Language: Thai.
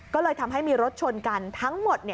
ก็เลยทำให้มีรถชนกันทั้งหมด